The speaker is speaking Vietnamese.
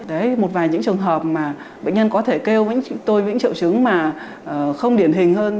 đấy một vài những trường hợp mà bệnh nhân có thể kêu những triệu chứng mà không điển hình hơn